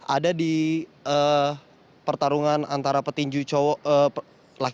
ada di pertarungan antara petinju cowok